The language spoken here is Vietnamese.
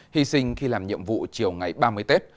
hy sinh khi làm nhiệm vụ chiều ngày ba mươi tết